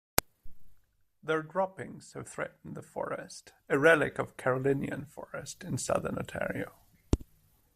Their droppings have threatened the forest, a relict of Carolinian forest in southern Ontario.